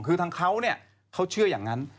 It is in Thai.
คือทั้งเขาเขาเชื่ออย่างนั้น